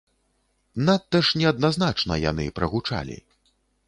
Надта ж неадназначна яны прагучалі.